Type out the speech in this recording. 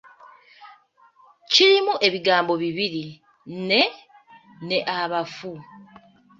Kirimu ebigambo bibiri ‘ne’ ne ‘abafu.’